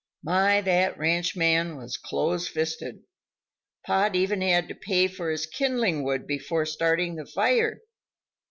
My, that ranchman was close fisted! Pod even had to pay for his kindling wood before starting the fire.